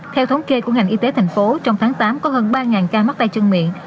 theo thống kê của ngành y tế thành phố trong tháng tám có hơn ba ca mắc tay chân miệng